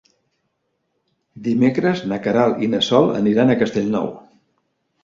Dimecres na Queralt i na Sol aniran a Castellnou.